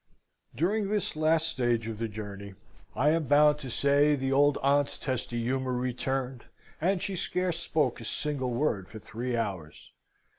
During this last stage of the journey, I am bound to say the old aunt's testy humour returned, and she scarce spoke a single word for three hours.